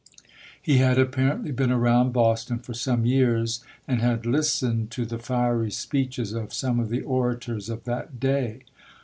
He had apparently been around Boston for some years and had listened to the fiery speeches of some of the orators of that day.